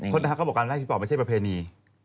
คนนะคะก็บอกอันแรกที่บอกไม่ใช่ประเพณี